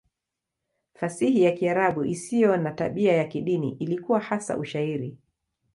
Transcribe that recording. Fasihi ya Kiarabu isiyo na tabia ya kidini ilikuwa hasa Ushairi.